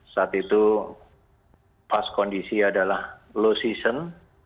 saat itu pas kondisi adalah low season